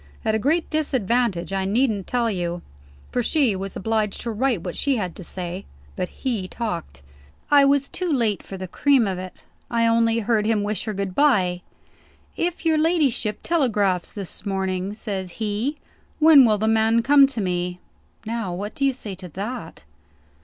At a great disadvantage, I needn't tell you; for she was obliged to write what she had to say. But he talked. I was too late for the cream of it; I only heard him wish her good bye. 'If your ladyship telegraphs this morning,' says he, 'when will the man come to me?' Now what do you say to that?"